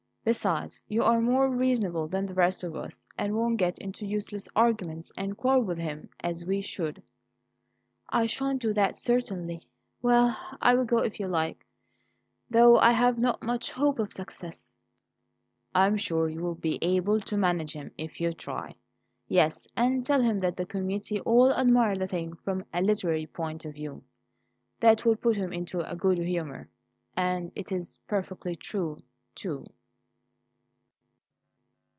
Besides, you are more reasonable than the rest of us, and won't get into useless arguments and quarrel with him, as we should." "I shan't do that, certainly. Well, I will go if you like, though I have not much hope of success." "I am sure you will be able to manage him if you try. Yes, and tell him that the committee all admired the thing from a literary point of view. That will put him into a good humour, and it's perfectly true, too."